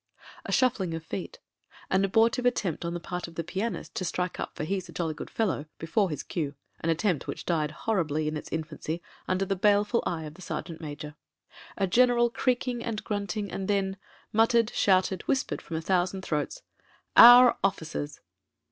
A shuffling of feet ; an abortive attempt on the part bf the pianist to strike up "For he's a jolly good fellow" before his cue, an attempt which died hor ribly in its infancy under the baleful eye of the ser geant major; a general creaking and grunting and then — muttered, shouted, whispered from a thousand throats — "Our Officers."